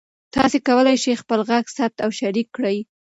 تاسي کولای شئ خپل غږ ثبت او شریک کړئ.